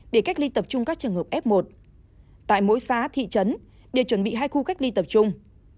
để cách ly tập trung các trường hợp f một tại mỗi xã thị trấn để chuẩn bị hai khu cách ly tập trung